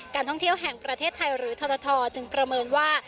ท่องเที่ยวแห่งประเทศไทยหรือทรทจึงประเมินว่า